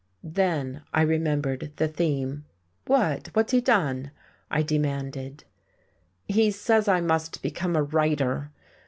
Then I remembered the theme. "What what's he done?" I demanded. "He says I must become a writer.